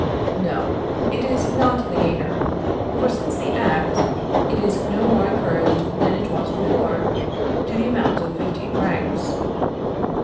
No, it is not the gainer; for since the Act, it is no more encouraged than it was before, to the amount of fifteen francs.